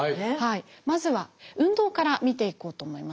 まずは運動から見ていこうと思いますが。